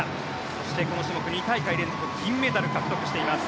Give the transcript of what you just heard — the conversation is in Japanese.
そしてこの種目２大会連続銀メダル獲得しています。